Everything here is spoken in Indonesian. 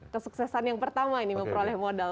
kesuksesan yang pertama ini memperoleh modal